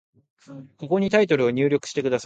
ここにタイトルを入力してください。